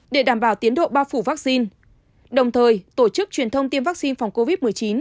để đảm bảo tiến độ bao phủ vaccine đồng thời tổ chức truyền thông tiêm vaccine phòng covid một mươi chín